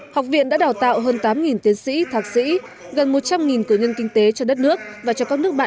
học viện đã đào tạo hơn tám tiến sĩ thạc sĩ gần một trăm linh cử nhân kinh tế cho đất nước và cho các nước bạn